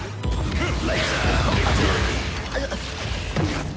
うっ。